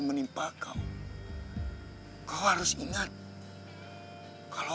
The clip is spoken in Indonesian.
sampai pulau sumatera